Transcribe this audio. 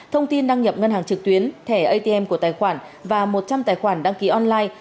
thông tin đăng nhập ngân hàng trực tuyến thẻ atm của tài khoản và một trăm linh tài khoản đăng ký online